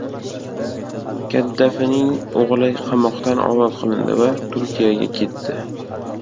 Kaddafining o‘g‘li qamoqdan ozod qilindi va Turkiyaga ketdi